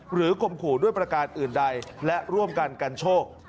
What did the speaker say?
ข่มขู่ด้วยประการอื่นใดและร่วมกันกันโชค